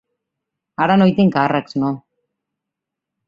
Ara no hi tinc càrrecs, no.